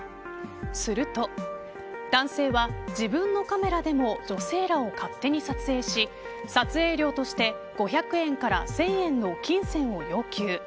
すると男性は自分のカメラでも女性らを勝手に撮影し撮影料として５００円から１０００円の金銭を要求。